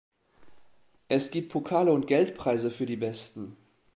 Es gibt Pokale und Geldpreise für die Besten.